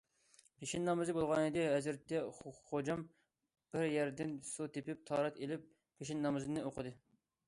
پېشىن نامىزى بولغانىدى، ھەزرىتى خوجام بىر يەردىن سۇ تېپىپ تاھارەت ئېلىپ، پېشىن نامىزىنى ئوقۇدى.